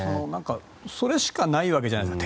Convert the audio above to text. それしかないわけじゃないですか。